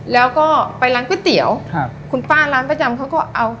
แล้วก็ไปร้านก๋วยเตี๋ยวครับคุณป้าร้านประจำเขาก็เอา